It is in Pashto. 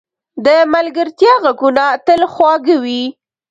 د ملګرتیا ږغونه تل خواږه وي.